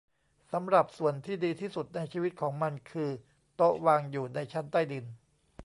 สำหรับส่วนที่ดีที่สุดในชีวิตของมันคือ โต๊ะวางอยู่ในชั้นใต้ดิน